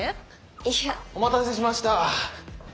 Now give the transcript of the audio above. いや。お待たせしました。